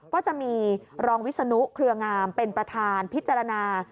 ก็จะมีรองวิศนุเครืองามเป็นประธานพิจารณา